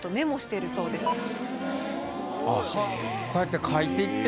こうやって書いていって。